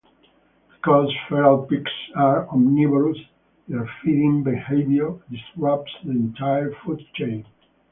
Because feral pigs are omnivorous, their feeding behaviour disrupts the entire food-chain.